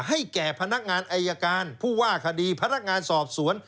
ให้แก่พนักงานอายการผู้ว่าคดีพนักงานสอบสวน